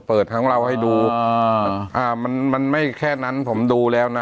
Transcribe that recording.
เปิดทั้งเราให้ดูอ่ามันมันไม่แค่นั้นผมดูแล้วนะ